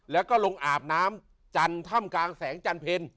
แล้วก็ลงอาบน้ำจันทร์ถ้ำกลางแสงจันเพล